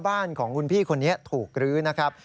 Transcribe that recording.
บ้านของคุณพี่คนนี้ถูกรื้อนะครับ